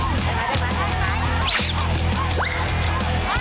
อีกแล้ว